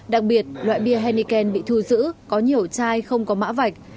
đặc biệt loại bia henneken bị thu giữ có nhiều chai không có mã vạch